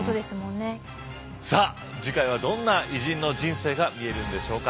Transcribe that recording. さあ次回はどんな偉人の人生が見れるんでしょうか。